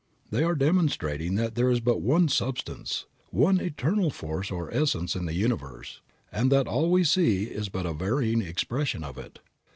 They are demonstrating that there is but one substance, one eternal force or essence in the universe, and that all we see is but a varying expression of it.